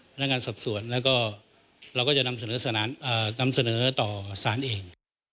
พนักงานสอบสวนแล้วก็เราก็จะนำเสนอต่อสารเอง